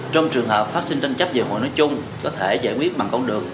trong trường hợp phát sinh tranh chấp về họ nói chung có thể giải quyết bằng con đường